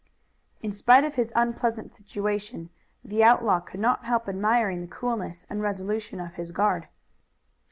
In spite of his unpleasant situation the outlaw could not help admiring the coolness and resolution of his guard.